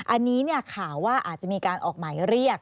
อันนี้ข่าวว่าอาจจะมีการออกหมายเรียก